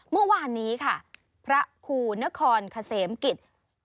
เมื่อวานนี้ค่ะพระครูนครเกษมกิจ